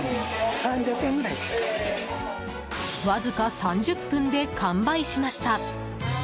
わずか３０分で完売しました。